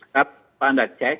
setelah anda cek